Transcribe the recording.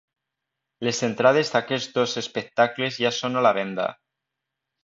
Les entrades d’aquests dos espectacles ja són a la venda.